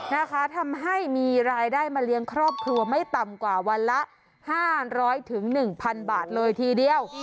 นะคะทำให้มีรายได้มาเลี้ยงครอบครัวไม่ต่ำกว่าวันละห้าร้อยถึงหนึ่งพันบาทเลยทีเดียว